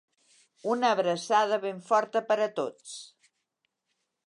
Una abraçada ben forta per a tots.